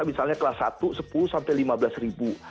misalnya kelas satu sepuluh sampai lima belas ribu